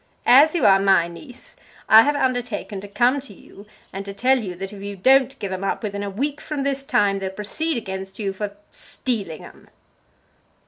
"As you are my niece, I have undertaken to come to you and to tell you that if you don't give 'em up within a week from this time, they'll proceed against you for stealing 'em!"